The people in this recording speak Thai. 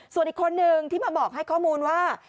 ส่วนอีกคนนึงที่มาบอกให้ข้อมูลว่า